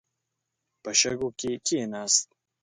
په شګو کې کښیناست.